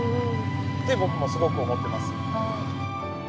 って僕もすごく思ってます。